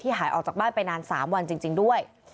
หายออกจากบ้านไปนาน๓วันจริงด้วย